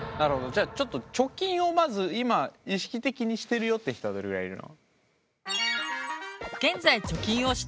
じゃあちょっと貯金をまず今意識的にしてるよって人はどれぐらいいるの？